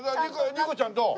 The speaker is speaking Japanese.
ニコちゃんどう？